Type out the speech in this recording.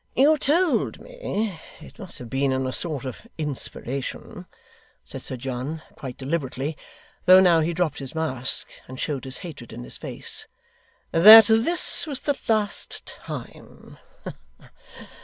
'You told me it must have been in a sort of inspiration ' said Sir John, quite deliberately, though now he dropped his mask, and showed his hatred in his face, 'that this was the last time.